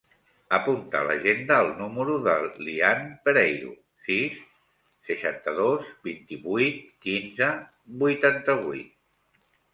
Apunta a l'agenda el número de l'Ian Pereiro: sis, seixanta-dos, vint-i-vuit, quinze, vuitanta-vuit.